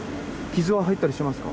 傷は入ったりしてますか？